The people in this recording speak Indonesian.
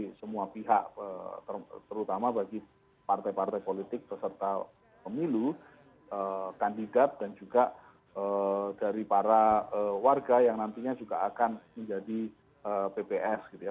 dari semua pihak terutama bagi partai partai politik beserta pemilu kandidat dan juga dari para warga yang nantinya juga akan menjadi pps gitu ya